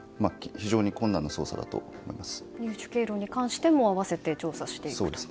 非常に困難な捜査だと思います。